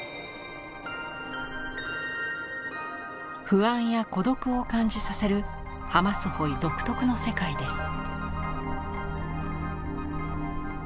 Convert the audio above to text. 不安や孤独を感じさせるハマスホイ独特の世界です。